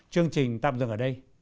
chương trình tạm dừng ở đây